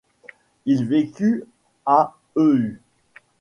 Il vécut à Eu.